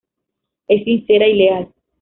Es sincera y leal.